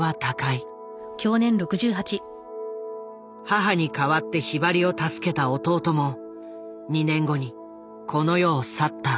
母に代わってひばりを助けた弟も２年後にこの世を去った。